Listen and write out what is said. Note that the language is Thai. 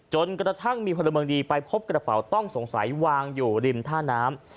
จนกระทั่งมีพลเมืองดีไปพบกระเป๋าต้องสงสัยวางอยู่ริมท่าน้ำ